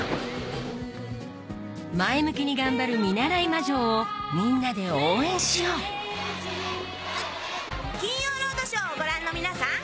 前向きに頑張る見習い魔女をみんなで応援しよう『金曜ロードショー』をご覧の皆さん